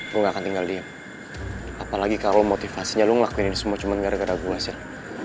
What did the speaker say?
gue ga akan tinggal diem apalagi kalo motivasinya lo ngelakuin ini semua cuma gara gara gue sih